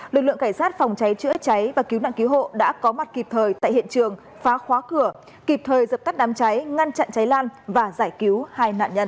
lực lượng cảnh sát phòng cháy chữa cháy và cứu nạn cứu hộ đã có mặt kịp thời tại hiện trường phá khóa cửa kịp thời dập tắt đám cháy ngăn chặn cháy lan và giải cứu hai nạn nhân